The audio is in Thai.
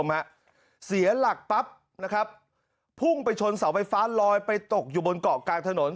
เสียหลักปั๊บนะครับพุ่งไปชนเสาไฟฟ้าลอยไปตกอยู่บนเกาะกลางถนน